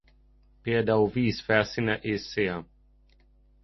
Például víz felszíne és szél.